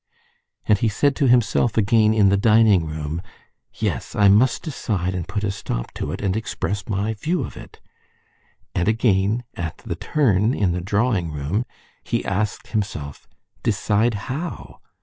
And he said to himself again in the dining room, "Yes, I must decide and put a stop to it, and express my view of it...." And again at the turn in the drawing room he asked himself, "Decide how?"